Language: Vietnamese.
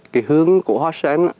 cái hướng của hoa sen